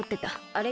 あれ？